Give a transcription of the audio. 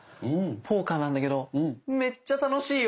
ポーカーなんだけどめっちゃ楽しいよ。